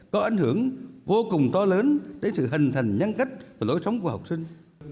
có ảnh hưởng vô cùng to lớn đến sự hình thành nhân cách và lối sống của học sinh